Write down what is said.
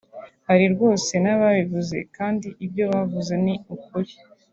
hari rwose n’ababivuze kandi ibyo bavuze ni ukuri